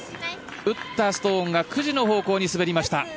打ったストーンが９時の方向に滑りました。